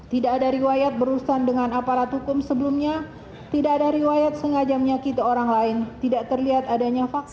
tidak ada riwayat berurusan dengan aparat hukum sebelumnya tidak ada riwayat sengaja menyakiti orang lain tidak terlihat adanya vaksin